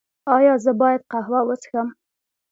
ایا زه باید قهوه وڅښم؟